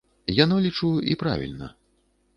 Яно, лічу і правільна.